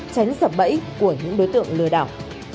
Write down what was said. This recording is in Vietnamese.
tránh sập bẫy của những đối tượng lừa đảo